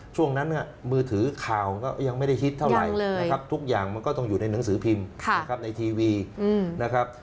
ช่วงนั้นมือถือข่าวก็ยังไม่ได้ฮิตเท่าไหร่นะครับทุกอย่างมันก็ต้องอยู่ในหนังสือพิมพ์นะครับในทีวีนะครับ